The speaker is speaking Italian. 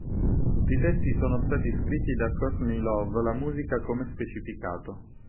Tutti i testi sono stati scritti da Courtney Love la musica come specificato.